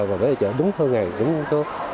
và về thẻ đúng hơn ngày đúng tốt